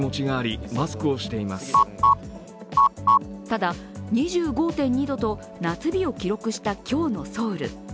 ただ、２５．２度と夏日を記録した今日のソウル。